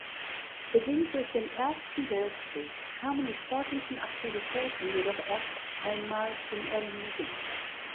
Bedingt durch den Ersten Weltkrieg kamen die sportlichen Aktivitäten jedoch erst einmal zum Erliegen.